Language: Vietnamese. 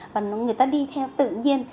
và người ta đi theo tự nhiên